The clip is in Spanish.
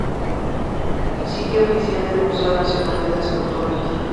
Sitio oficial del Museo Nacional de las Culturas.